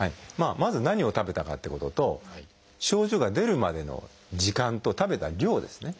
まず何を食べたかっていうことと症状が出るまでの時間と食べた量ですね。